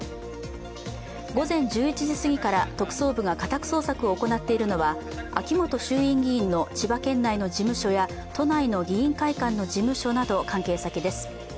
午前１１時すぎから特捜部が家宅捜索を行っているのは秋本衆院議員の千葉県内の事務所や都内の議員会館の事務所など関係先です。